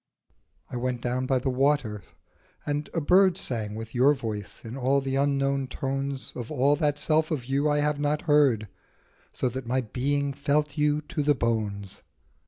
I went down by the waters, and a bird Sang with your voice in all the unknown tones Of all that self of you I have not heard, So that my being felt you to the bones.